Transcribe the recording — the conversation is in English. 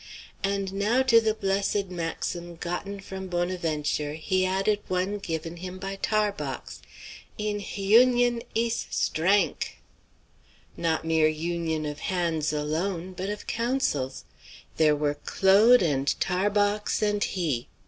And now to the blessed maxim gotten from Bonaventure he added one given him by Tarbox: "In h union ees strank!" Not mere union of hands alone; but of counsels! There were Claude and Tarbox and he!